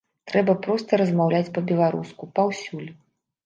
Трэба проста размаўляць па-беларуску, паўсюль.